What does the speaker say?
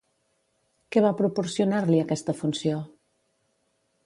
Què va proporcionar-li aquesta funció?